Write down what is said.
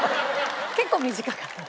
結構短かった。